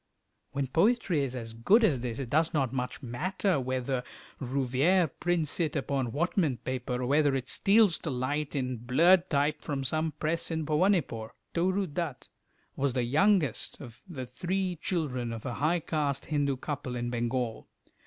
When poetry is as good as this it does not much matter whether Rouveyre prints it upon Whatman paper, or whether it steals to light in blurred type from some press in Bhowanipore. Toru Dutt was the youngest of the three children of a high caste Hindu couple in Bengal.